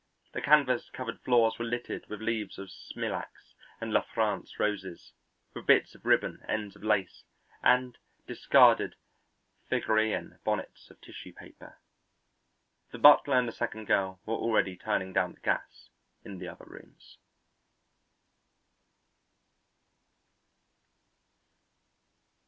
The canvas covered floors were littered with leaves of smilax and La France roses, with bits of ribbon, ends of lace, and discarded Phrygian bonnets of tissue paper. The butler and the second girl were already turning down the gas in the other rooms.